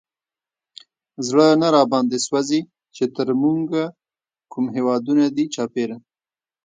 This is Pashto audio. زړه نه راباندې سوزي، چې تر مونږ کوم هېوادونه دي چاپېره